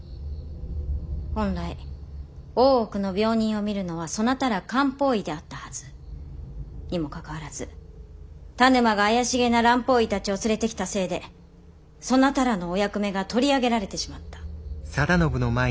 本来大奥の病人を診るのはそなたら漢方医であったはず。にもかかわらず田沼が怪しげな蘭方医たちを連れてきたせいでそなたらのお役目が取り上げられてしまった。